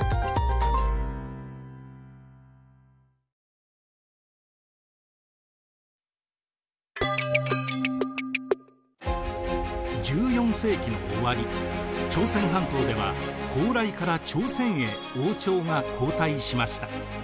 秀吉は秀吉は１４世紀の終わり朝鮮半島では高麗から朝鮮へ王朝が交代しました。